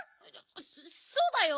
そそうだよ。